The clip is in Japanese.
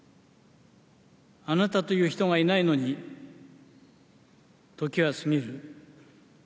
あなたという人がいないのに、時は過ぎる。